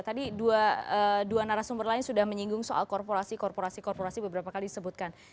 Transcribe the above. tadi dua narasumber lain sudah menyinggung soal korporasi korporasi korporasi beberapa kali disebutkan